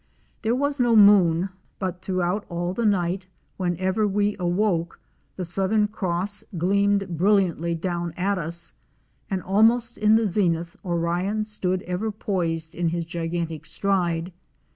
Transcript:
There was no moon but throughout all the night when ever we awoke, the southern cross gleamed brilliantly down at us, and almost in the zenith Orion stood ever poised in his gigantic stride.